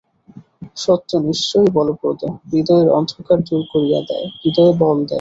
সত্য নিশ্চয়ই বলপ্রদ, হৃদযের অন্ধকার দূর করিয়া দেয়, হৃদয়ে বল দেয়।